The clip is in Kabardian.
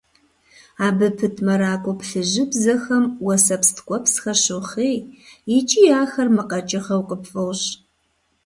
Абы пыт мэракӀуэ плъыжьыбзэхэм уэсэпс ткӀуэпсхэр щохъей икӀи ахэр мыкъэкӀыгъэу къыпфӀощӀ.